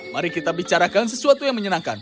mari kita bicarakan sesuatu yang menyenangkan